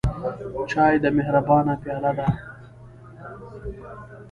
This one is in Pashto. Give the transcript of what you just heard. چای د مهربانۍ پیاله ده.